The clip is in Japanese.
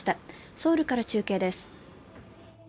ソウルから中継です。